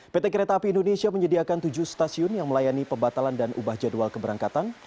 pt kereta api indonesia menyediakan tujuh stasiun yang melayani pembatalan dan ubah jadwal keberangkatan